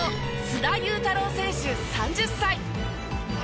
須田侑太郎選手３０歳。